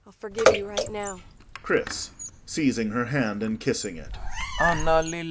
] I'll forgive you right now. CHRIS [Seizing her hand and kissing it brokenly.